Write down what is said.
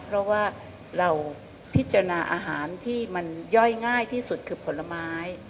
เพราะว่าเราพิจารณาอาหารที่มันย่อยง่ายที่สุดคือผลไม้